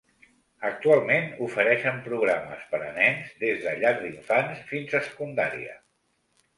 Actualment ofereixen programes per a nens des de llar d'infants fins a secundària.